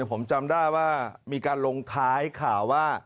ผมจำได้ว่ามีการลงท้ายข่าวว่า